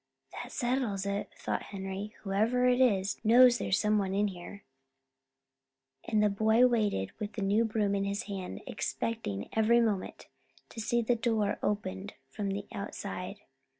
"That settles it," thought Henry. "Whoever it is, knows there's someone in here." And the boy waited with the new broom in his hand, expecting every moment to see the door opened from the outside.